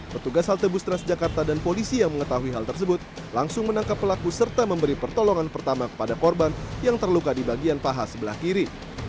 petugas halte bus transjakarta dan polisi yang mengetahui hal tersebut langsung menangkap pelaku serta memberi pertolongan pertama kepada korban yang terluka di bagian paha sebelah kiri